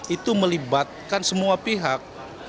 itu melibatkan semua pihak